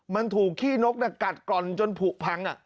มันถูกขี้นกเนี่ยกัดกร่อนจนผูกพังอ่ะ